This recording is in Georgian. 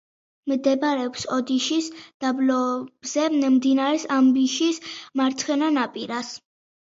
მდებარეობს ოდიშის დაბლობზე, მდინარე აბაშის მარცხენა ნაპირას.